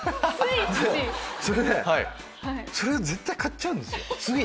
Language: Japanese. それで絶対買っちゃうんですよつい。